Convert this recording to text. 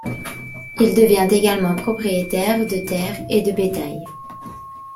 Il devient également propriétaire de terres et de bétail.